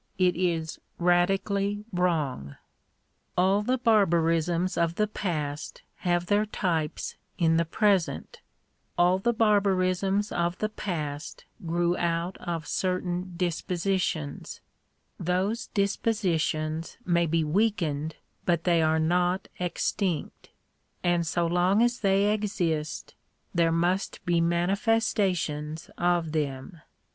It is radically wrong. All the barbarisms of the past have their types in the present All the barbarisms of the past grew out of certain dispositions : those dispositions may be weakened, but they are not extinct ; and so long as they exist there must be manifestations of them.